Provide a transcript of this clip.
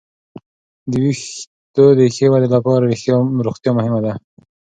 د وېښتو د ښې ودې لپاره روغتیا مهمه ده.